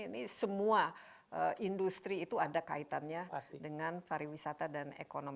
ini semua industri itu ada kaitannya dengan pariwisata dan ekonomi